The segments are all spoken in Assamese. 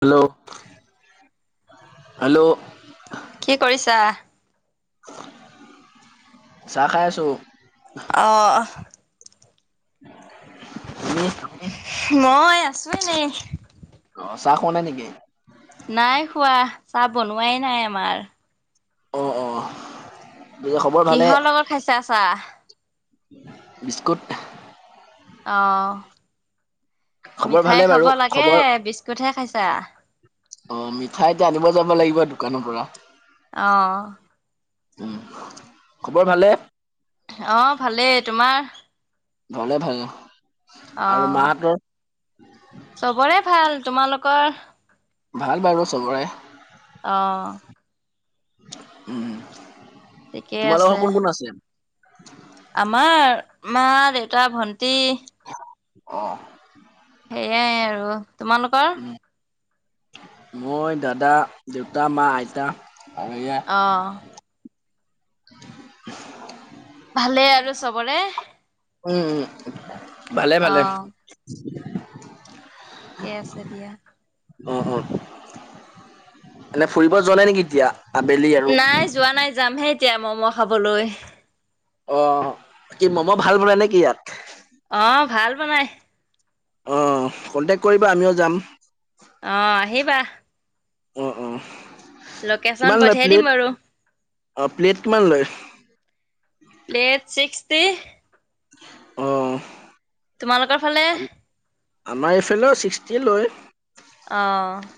হেল্ল' হেল্ল' কি কৰিছা চাহ খায় আছো অঁ তুমি মই আছোএনেই অ', চাহ খোৱা নাই নেকি? নাই খোৱা চাহ বনোৱাই নাই আমাৰ। অঁ', অঁ'। কিহৰ লগত খাইছা চাহ? বিস্কুট। অ', খবৰ মিঠাই ভালে খাব বাৰু লাগে খবৰ বিস্কুটহে খাইছা। অ', মিঠাই এতিয়া আনিব যাব লাগিব দোকানৰ পৰা। অ'। উম, খবৰ ভালে? অঁ', ভালেই তোমাৰ? ভলে ভাল আৰু অ', মা হতৰ? চবৰে ভাল তোমালোকৰ? ভাল বাৰু চবৰে। অঁ'। উম, ঠিকেই আছে। তোমালোকৰ কোন কোন আছে? আমাৰ মা দেউতা ভন্টি। অ'। সেইয়াই আৰু তোমালোকৰ? মই দাদা দেউতা মা আইতা আৰু অঁ'। ভালে আৰু চবৰে? উম, ভালে ভালে। [inaudible] অ', ঠিকে আছে দিয়া। উ উ এনে ফুৰিব যোৱা নাই নেকি এতিয়া? আবেলি আৰু নাই যোৱা নাই যামহে এতিয়া ম'ম' খাবলৈ। অ', কি মম' ভাল বনাই নে কি ইয়াত? অ', ভাল বনাই। অঁ', কণ্টেক্ট কৰিব আমিও যাম। অ', আহিবা। অ', অ', লোকেশ্যন কিমান লয় পঠিয়াই দিম প্লেট বাৰু অ', প্লেট কিমান লয়? Plate sixty. আহ। তোমালোকৰ ফালে? আমাৰ এফালেও ছিক্সটিয়ে লয়। অঁ'।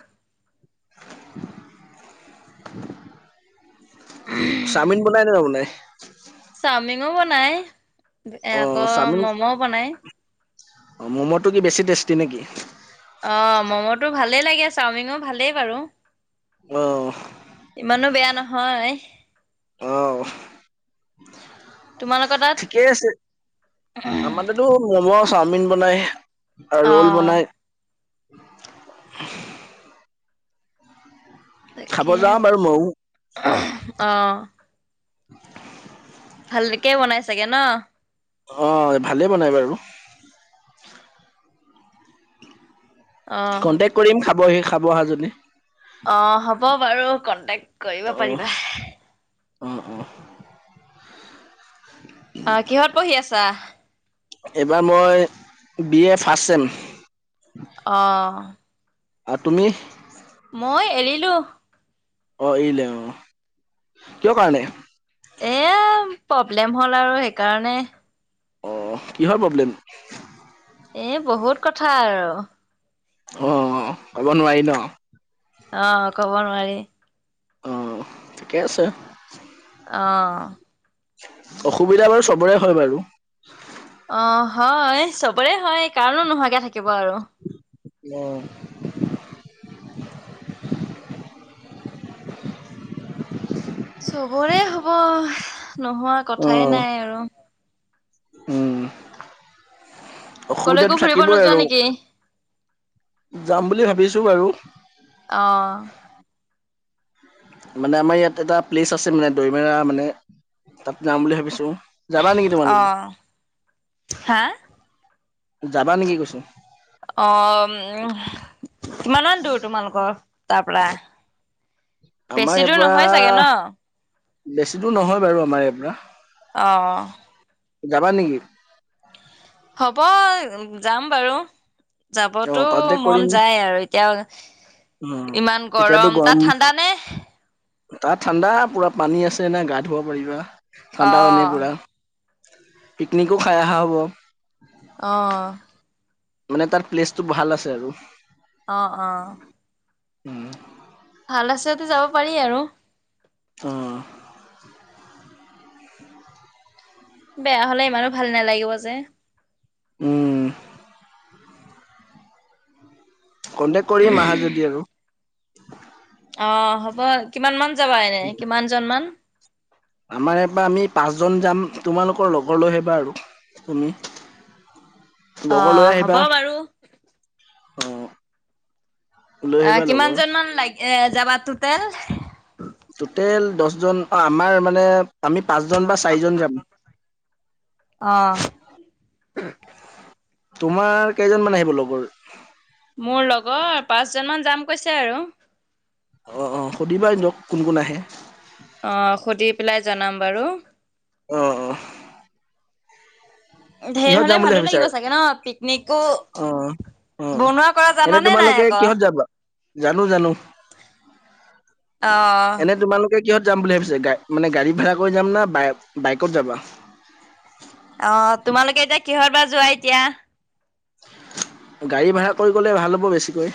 [unintelligible] চাওমিন বনাই নে ন বনাই? চাওমিনো বনাই আকৌ মম'ও বনাই। অঁ', ম'ম'টো কি বেছি টেষ্টি নেকি? অ', ম'ম'টো ভালেই লাগে চাওমিনো ভালেই বাৰু। অ'। ইমানো বেয়া নহয়। অ', তোমালোকৰ তাত? ঠিকে আছে আমাৰ তাত টো ম'ম' চাওমিন বনাই অ ৰ'ল বনাই। খাব তাকে যাওঁ বাৰু ময়ো। অ'। ভালকে বনাই চাগে ন? অ', ভালে বনাই বাৰু। অ কণ্টেক্ট কৰিম খাবহি খাব আহা যদি। অ', হ'ব বাৰু কণ্টেক্ট কৰিব অ', পাৰিবা। অ', অ'। অ', কিহত পঢ়ি আছা? এইবাৰ মই বি এ ফাৰ্ষ্ট চেম। অ'। আৰু তুমি? মই এৰিলো। অ', এৰিলে অ' কিয় কাৰণে? এ প্ৰব্লেম হ'ল আৰু সেইকাৰণে। অ' কিহৰ প্ৰব্লেম? এ বহুত কথা আৰু। অ', ক'ব নোৱাৰি ন? অ', কব নোৱাৰি। অ' ঠিকে আছে। অ'। অসুবিধা বাৰু চবৰে হয় বাৰু। অ' হয় চবৰে হয় কাৰ নো নোহোৱাকে থাকিব আৰু? অ'। চবৰে হব নোহোৱা কথাই নাই আৰু। উম কলৈকো অসুবিধাটো ফুৰিব থাকিবই নোযোৱা আৰু। নেকি যাম বুলি ভাবিছো বাৰু। অ'। মানে, আমাৰ ইয়াত এটা প্লেচ আছে মানে দৈমেৰা মানে তাত যাম বুলি ভাবিছো। যাবা নেকি অ তোমালোকে হা যাবা নেকি কৈছো। অ' কিমান মান দূৰ তোমালোকৰ তাৰ পৰা? বেছি আমাৰ ইয়াৰ দূৰ নহয় চাগে ন পৰা বেছি দূৰ নহয় বাৰু আমাৰ ইয়াৰ পৰা। অ'। যাবা নেকি? হ'ব যাম বাৰু। যাবতো অ', কন্টেক্ট মন কৰিম, যায় আৰু। এতিয়া অ'। ইমান গৰম তাত ঠাণ্ডা নে? তাত ঠাণ্ডা পুৰা পানী আছে নে গা ধুুৱ পাৰিবা ঠাণ্ডা পানী অ', পোৰা। পিকনিকো খাই অহা হ'ব। অ'। মানে তাত প্লেচটো ভাল আছে আৰু। অ', অ'। উম। ভাল আছে যদি যাব পাৰি আৰু। অ'। বেয়া হলে ইমানো ভাল নালাগিব যে। উম। কণ্টেক্ট কৰিম আহা যদি আৰু। অ' হ'ব কিমান মান যাবা এনে কিমানজন মান? আমাৰ ইয়াৰপৰা আমি পাঁচজন যাম। তোমালোকৰ লগৰ লৈ আহিবা আৰু তুমি। [inaudible] লৈ অ' হ'ব আহিবা বাৰু। অ'। লৈ আহিবা অ', লগৰ কিমানজন মান লাগি এ যাবা তোতেল? টোটেল দহজন অ' আমাৰ মানে আমি পাঁচজন বা চাৰিজন যাম। অ'। তোমাৰ কেইজন মান আহিব লগৰ? মোৰ লগৰ পাঁচ জন মান যাম কৈছে আৰু। অ', অ', সুধিবা দিয়ক কোন কোন আহে? অ', সুধি পেলাই জনাম বাৰু। অ', অ'। ঢেৰ কিহত হ'লে যাম বুলি ভালো ভাবিছা লাগিব চাগে ন' পিকনিকো অ অ বনোৱা কৰা এনে জান নে নাই তোমালোকে আকৌ? কিহত যাবা জানো জানো। অ'। এনে তোমালোকে কিহত যাম বুলি ভাবিছা? গ- মানে গাড়ী ভাড়া কৰি যাম নাই বাইকত যাবা। অ', তোমালোকে এতিয়া কিহত বা যোৱা এতিয়া? গাড়ী ভাড়া কৰি গ'লে ভাল হ'ব বেছিকৈ।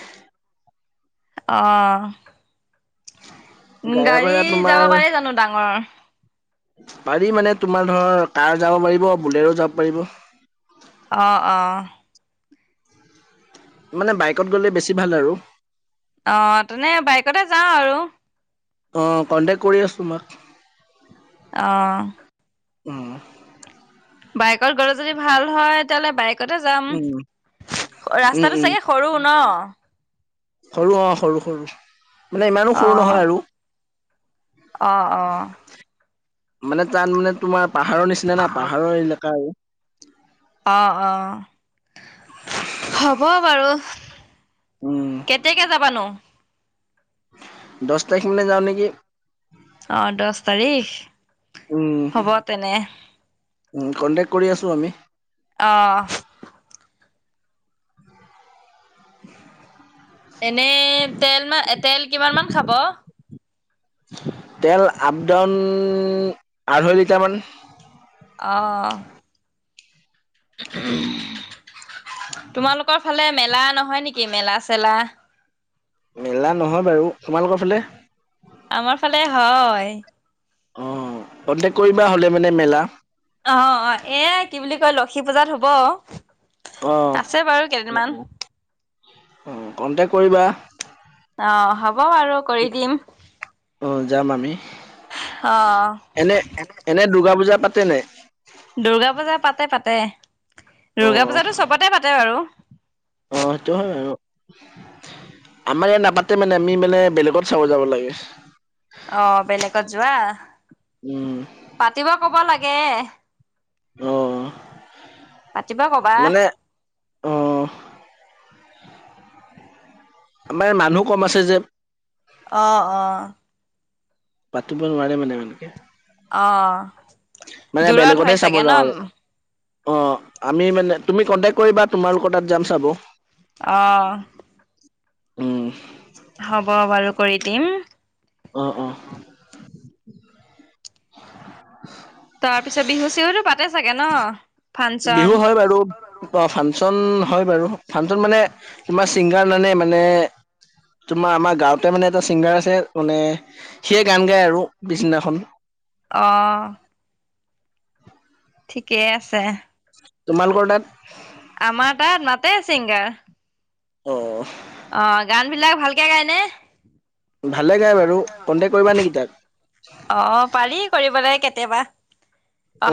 অ'। উ, গাড়ী ভাড়া যাব তোমাৰ পাৰে জানো ডাঙৰ? পাৰি মানে তোমাৰ ধৰ কাৰ যাব পাৰিব বুলেৰো যাব পাৰিব। অ', অ'। মানে বাইকত গ'লে বেছি ভাল আৰু। অ', তেনে বাইকতে যাওঁ আৰু। অ', কণ্টেক্ট কৰি আছোঁ মাক অ'। উম। বাইক গ'লে যদি ভাল হয় তেতিয়াহ'লে বাইকতে যাম। উম উম ৰাস্তাটো উম চাগে সৰু ন'। সৰু অ', সৰু সৰু মানে ইমানো সৰু অ', নহয় আৰু। অ', অ'। মানে তাত মানে তোমাৰ পাহাৰৰ নিচিনা না পাহাৰৰ এলেকা আৰু। অ', অ', হ'ব বাৰু। উম। কেতিয়াকে যাবা নো? দহ তাৰিখ মানে যাওঁ নেকি? অ', দহ তাৰিখ হ'ব তেনে। কণ্টেক্ট কৰি আছোঁ আমি। অ'। [inaudible] এনেই তেল ম তেল কিমান মান খাব? তেল আপ ডাউন আঢ়ৈ লিটাৰ মান। অ'। তোমালোকৰ ফালে মেলা নহয় নেকি মেলা চেলা। মেলা নহয় বাৰু, তোমালোকৰ ফালে? আমাৰ ফালে হয়। অ', কণ্টেক কৰিবা হ'লে মানে মেলা। অ', অ', এয়া কি বুলি কয় লক্ষী পূজাত হ'ব। অ', আছে বাৰু কেইদিনমান। অ', কণ্টেক কৰিবা। অ', হ'ব বাৰু কৰি দিম। আহ যাম আমি। অ'। এনে-এনে দুৰ্গা পূজা পাতে নে? দুূৰ্গা পূজা পাতে পাতে, অ দুৰ্গা পূজাতটো চবতে পাতে বাৰু। অ', সেইটো হয় আৰু আমাৰ ইয়াত নাপাতে মানে আমি মানে বেলেগত চাব যাব লাগে। অ, বেলেগত যোৱা উম, পাতিব কব লাগে অ পাতিবা কবা মানে অ আমাৰ মানুহো কম আছে যে অ', অ', পাতিব নোৱাৰাৰেে মানে এনেকে অ', মানে দুৰত হয় বেলেগতহে চাব চাগে যাওঁ আৰু ন অ, আমি মানে তুমি কণ্টেক্ট কৰিবা তোমালোকৰ তাত যাম চাব অ, উম, হ'ব বাৰু কৰি দিম অ, অ, তাৰ পিছত বিহু চিহুতো পাতে চাগে ন ফাংচন? বিহু হয় বাৰু অ, ফাংচন হয় বাৰু, ফাংচন মানে তোমাৰ ছিংগাৰ নানে মানে তোমাৰ আমাৰ গাঁৱতে মানে এটা ছিংগাৰ আছে মানে, সিয়ে গান গায় আৰু পিছদিনাখন অ', ঠিকেই আছে তোমালোকৰ তাত আমাৰ তাত মা ছিংগাৰ অ' অ', গান বিলাক ভালকে গায়নে ভালে গায় বাৰু, কণ্টেক্ট কৰিবা নেকি তাক অ', পাৰি কৰিবলৈ কেতিয়াবা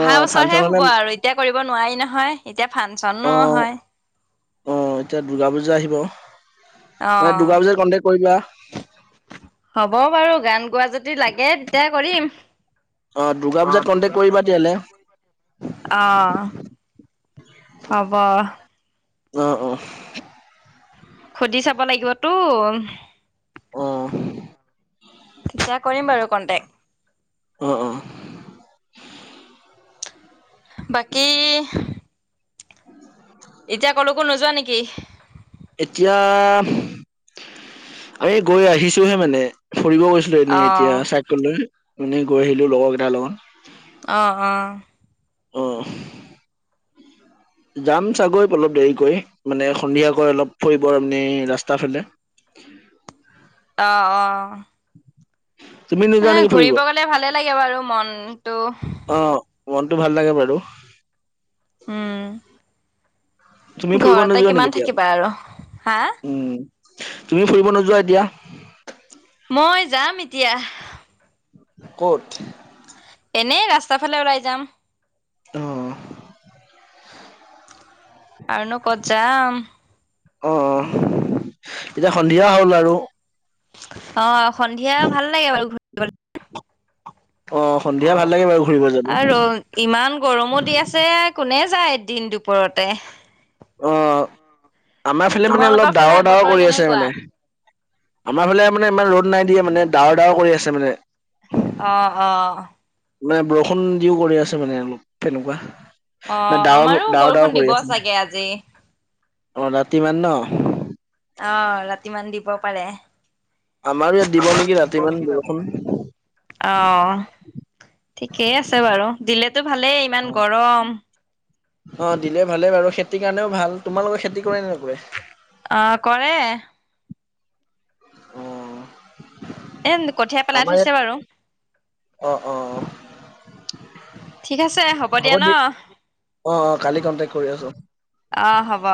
অ বছৰ হে ফাংচন হলে হব আৰু এতিয়া কৰিব নোৱাৰি নহয় এতিয়া অ ফাংচনোহয় অ', এতিয়া দুৰ্গা বূজা আহিব মানে অ', দুৰ্গা বজাত কন্টেক্ট কৰিবা হ'ব বাৰু, গান গোৱা যদি লাগে তেতিয়া কৰিম অ', দুৰ্গা পূজাত কণ্টেক্ কৰিবা তেতিয়াহলে অ', হব অ, অ, সুধি চাব লাগিবতো অ', তেতিয়া কৰিম বাৰু কণ্টেক্ট। অ', অ'। বাকী। [inaudible] এতিয়া কলেকো নোযোৱা নেকি। এতিয়া আমি গৈ আহিছোহে মানে ফুৰিব গৈছো লো এনেই এতিয়া অ', চাইকেল লৈ এনে গৈ আহিলো লগৰকেইাৰ লগত। অ', অ'। অ'। যাম চাগৈ অলপ দেৰিকৈ মানে সন্ধিয়াকৈ অলপ ফুৰিব আপনি ৰাস্তা ফালে। অ', অ'। তুমি এ, নোযোৱা নেকি ফুৰিব ঘূৰিব গলে ভালে লাগে বাৰু মনতটো। অ', মনটো ভাল লাগে বাৰু। উম তুমি ফুৰিব ঘৰতে নোযোৱা কিমান নেকি এতিয়া থাকিবা আৰু হা উম। তুমি ফুৰিব নোযোৱা এতিয়া। মই যাম এতিয়া। ক'ত? এনেই ৰাস্তাৰ ফালে ওলাই যাম। অ'। আৰুনো ক'ত যাম। অ', অ', এতিয়া সন্ধিয়া হ'ল আৰু। অ', সন্ধিয়া ভাল লাগে বাৰু অ, সন্ধিয়া ভাল লাগে বাৰু ঘুৰিব জাব। আৰু ইমান গৰমো দি আছে কোনে যায় এদিন দুপৰতে। অ, আমাৰ ফালে মানে তোমালোকৰ অলপ ফালে ডাৱৰ ডাৱৰ বতৰ কৰি আছে কেনেকুৱা মানে। আমাৰ ফালে মানে ইমান ৰ'দ নাই দিয়োনে ডাৱৰ ডাাৱৰ কৰি আছে মানে। অ', অ'। মানে বৰষুণ দিও কৰি আছে মানে অলপ তেনেকুৱা। অ ডাৱৰ আমাৰো ডাৱৰ ডাৱৰ বৰষুণ দিব কৰি আছে। চাগে আজি অ, ৰাতি মান ন অ, ৰাতি মান দিব পাৰে। আমাৰ ইয়াত দিব নেকি ৰাতি মান বৰষুন। অ'। ঠিকেই আছে বাৰু দিলেতো ভালেই ইমান গৰম। অ, দিলে ভালে বাৰু খেতিৰ কাৰণেও ভাল তোমালোকে খেতি কৰে নে নকৰে? অ', কৰে। অ'। এ, কঠীয়া পেলাই আমাৰ থৈছে ইয়াত বাৰু। অ', অ', অ'। ঠিক আছে হ'ব দিয়া ন দিয় অ', অ' কালি কন্টেক্ট কৰি আছোঁ। অ', হব।